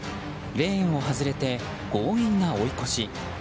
レーンを外れて、強引な追い越し。